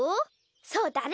そうだね